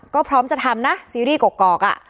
ก็พร้อมจะทำนะซีรีส์กรอก